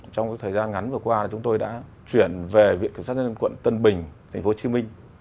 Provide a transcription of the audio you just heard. trong thời gian ngắn vừa qua chúng tôi đã chuyển về viện kiểm sát nhân dân quận tân bình tp hcm